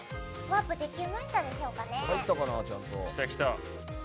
ワープできましたでしょうかね。